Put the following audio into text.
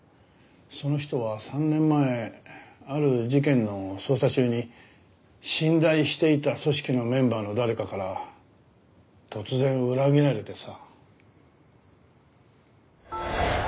その人は３年前ある事件の捜査中に信頼していた組織のメンバーの誰かから突然裏切られてさ。